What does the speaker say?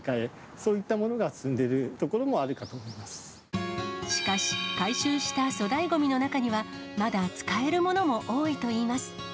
そういったものが進んでいるとこしかし、回収した粗大ごみの中には、まだ使えるものも多いといいます。